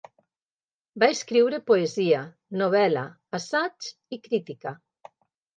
Va escriure poesia, novel·la, assaig i crítica.